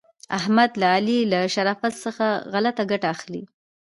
احمد د علي له شرافت څخه غلته ګټه اخلي.